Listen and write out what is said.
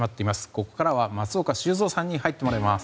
ここからは松岡修造さんに入ってもらいます。